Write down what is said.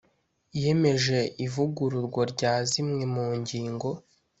yemeje ivugururwa rya zimwe mu ngingo